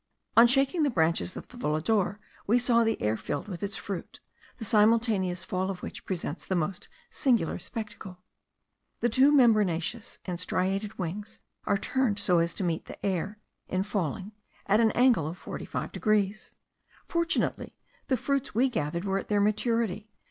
On shaking the branches of the volador, we saw the air filled with its fruits, the simultaneous fall of which presents the most singular spectacle. The two membranaceous and striated wings are turned so as to meet the air, in falling, at an angle of 45 degrees. Fortunately the fruits we gathered were at their maturity.